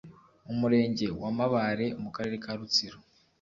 Umurenge wa Mabare mu Karere ka Rutsiro